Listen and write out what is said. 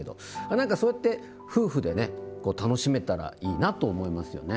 何かそうやって夫婦でね楽しめたらいいなと思いますよね。